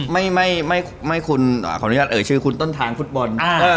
ไม่คุณขออนุญาตชื่อคุณต้นทางฟุตบอล